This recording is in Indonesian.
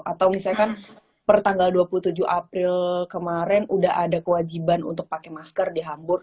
atau misalkan per tanggal dua puluh tujuh april kemarin udah ada kewajiban untuk pakai masker di hamburg